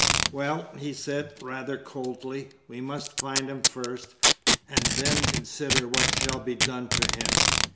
"Well," he said, rather coldly, "we must find him first, and then consider what shall be done to him.